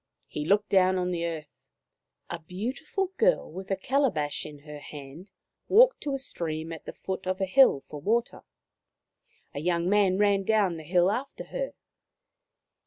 He looked down on the earth. A beautiful girl with a calabash in her hand walked to a stream at the foot of a hill for water. A young man ran down the hill after her.